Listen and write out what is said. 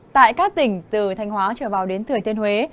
tại các tỉnh từ thanh hóa trở vào đến thừa thiên huế